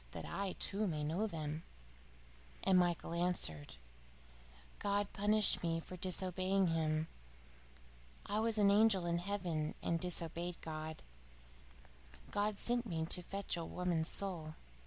that I, too, may know them." And Michael answered: "God punished me for disobeying Him. I was an angel in heaven and disobeyed God. God sent me to fetch a woman's soul.